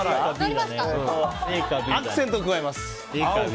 アクセントを加えます。